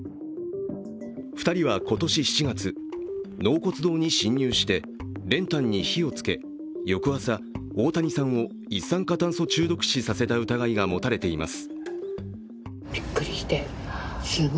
２人は今年７月、納骨堂に侵入して、練炭に火をつけ、翌朝、大谷さんを一酸化炭素中毒死させた疑いが持たれています。